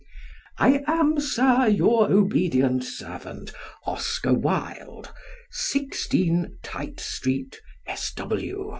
I am, Sir, your obedient servant, OSCAR WILDE. 16, Tite Street, S.W.